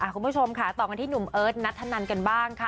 ผมชอบข้าต่อกันที่หนุ่มเอิิสนัดถนนกันบ้างค่ะ